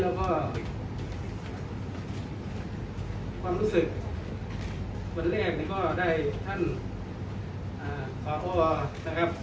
เราก็ความรู้สึกวันแรกก็ได้ท่านขออ้อนะครับ